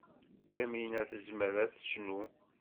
Yamina tezmer ad tecnu.